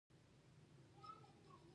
د پسونو روزنه د وړیو تولید زیاتوي.